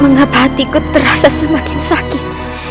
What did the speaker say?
mengapa hatiku terasa semakin sakit